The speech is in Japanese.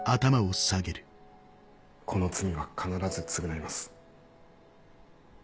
この罪は必ず償います。